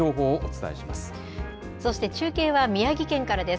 そして中継は宮城県からです。